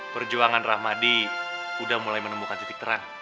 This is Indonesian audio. perjuangan rahmadi sudah mulai menemukan titik terang